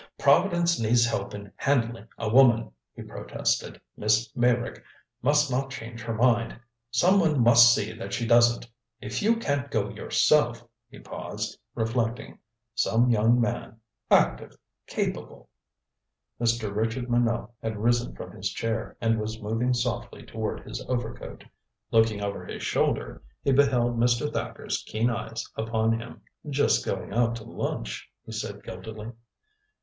"Providence needs help in handling a woman," he protested. "Miss Meyrick must not change her mind. Some one must see that she doesn't. If you can't go yourself " He paused, reflecting. "Some young man, active, capable " Mr. Richard Minot had risen from his chair, and was moving softly toward his overcoat. Looking over his shoulder, he beheld Mr. Thacker's keen eyes upon him. "Just going out to lunch," he said guiltily.